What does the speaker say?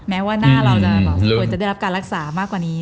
แม้ว่าหน้าเราจะควรจะได้รับการรักษามากกว่านี้